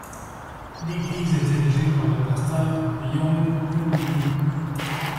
L'Église est dirigée par le pasteur Young Hoon Lee.